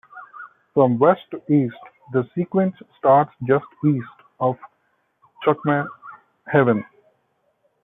From west to east, the sequence starts just east of Cuckmere Haven.